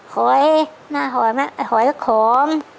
หอยหน้าหอยไหมหอยขอม